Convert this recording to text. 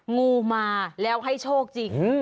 งูมาแล้วให้โชคจริง